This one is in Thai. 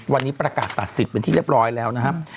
วันนี้ประกาศตัดสิทธิ์เป็นที่เรียบร้อยแล้วนะครับ